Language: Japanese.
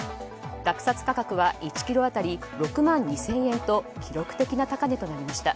落札価格は１ｋｇあたり６万２０００円と記録的な高値となりました。